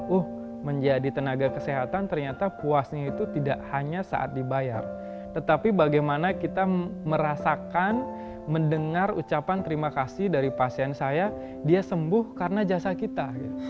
uh menjadi tenaga kesehatan ternyata puasnya itu tidak hanya saat dibayar tetapi bagaimana kita merasakan mendengar ucapan terima kasih dari pasien saya dia sembuh karena jasa kita